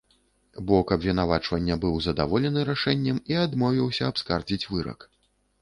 Бок абвінавачання быў задаволены рашэннем і адмовіўся абскардзіць вырак.